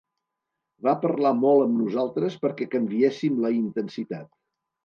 Va parlar molt amb nosaltres perquè canviéssim la intensitat.